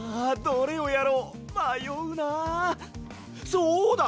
そうだ！